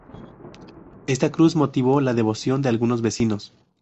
Esta cruz motivó la devoción de algunos vecinos.